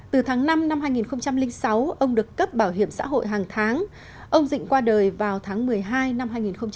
từ tháng năm năm hai nghìn sáu ông được cấp bảo hiểm xã hội hàng tháng ông dịnh qua đời vào tháng một mươi hai năm hai nghìn một mươi